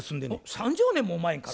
３０年も前から？